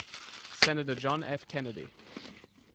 Senator John F. Kennedy.